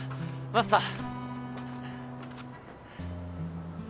マスター！